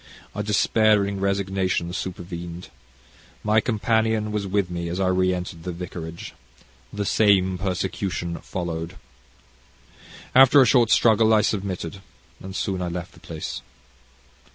A despairing resignation supervened. My companion was with me as I re entered the vicarage. The same persecution followed. After a short struggle I submitted, and soon I left the place.